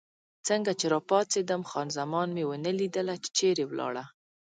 څنګه چې راپاڅېدم، خان زمان مې ونه لیدله، چې چېرې ولاړه.